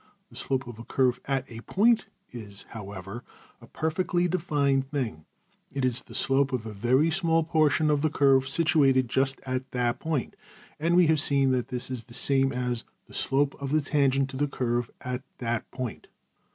``The slope of a curve \emph{at a point}'' is, however, a perfectly defined thing; it is \DPPageSep{090.png}% the slope of a very small portion of the curve situated just at that point; and we have seen that this is the same as ``the slope of the tangent to the curve at that point.''